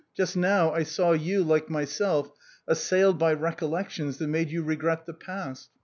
" Just now I saw you, like myself, as sailed by recollections that made you regret the past.